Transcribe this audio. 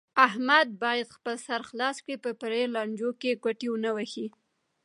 احمد باید خپل سر خلاص کړي، په پریو لانجو کې ګوتې و نه وهي.